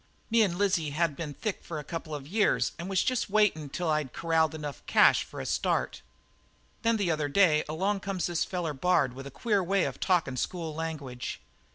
"Me and Lizzie had been thick for a couple of years and was jest waitin' till I'd corralled enough cash for a start. Then the other day along comes this feller Bard with a queer way of talkin' school language.